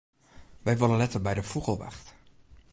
Wy wolle letter by de fûgelwacht.